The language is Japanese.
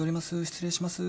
失礼します。